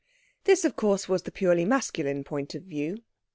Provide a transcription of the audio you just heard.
This, of course, was the purely masculine point of view.